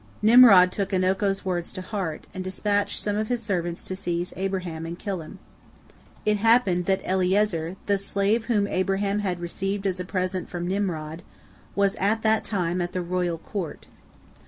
Nimrod took Anoko's words to heart, and dispatched some of his servants to seize Abraham and kill him. It happened that Eliezer, the slave whom Abraham had received as a present from Nimrod, was at that time at the royal court.